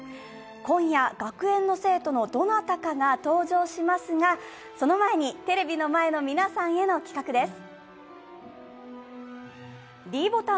今夜、学園の生徒のどなたかが登場しますが、その前に、テレビの前の皆さんへの企画です。